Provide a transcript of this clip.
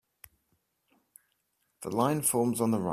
The line forms on the right.